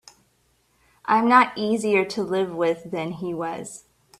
I'm not easier to live with than he was.